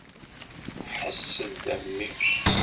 Ḥess-d a mmi!